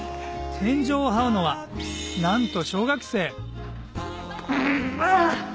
天井をはうのはなんと小学生あ！